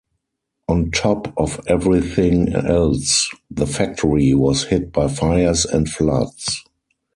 On top of everything else, the factory was hit by fires and floods.